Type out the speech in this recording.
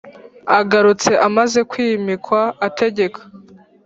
Agarutse amaze kwimikwa ategeka